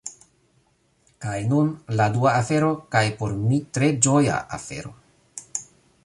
Kaj nun, la dua afero kaj por mi tre ĝoja afero!